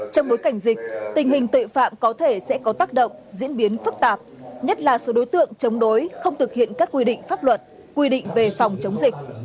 trong bối cảnh dịch tình hình tội phạm có thể sẽ có tác động diễn biến phức tạp nhất là số đối tượng chống đối không thực hiện các quy định pháp luật quy định về phòng chống dịch